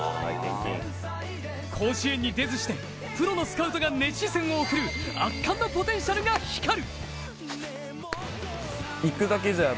甲子園に出ずしてプロのスカウトが熱視線を送る圧巻のポテンシャルが光る。